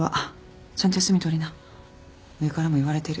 上からも言われてる。